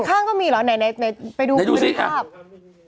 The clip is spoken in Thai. อีกข้างก็มีเหรอไปดูคุณก็ไม่ได้ทราบ